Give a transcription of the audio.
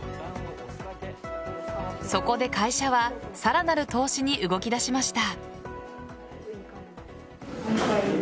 そこで会社はさらなる投資に動き出しました。